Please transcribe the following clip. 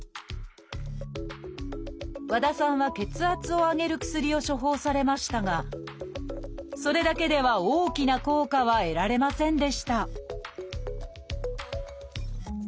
和田さんは血圧を上げる薬を処方されましたがそれだけでは大きな効果は得られませんでした